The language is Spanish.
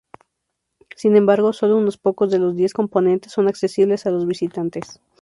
Sin embargo, sólo unos pocos de los diez componentes son accesibles a los visitantes.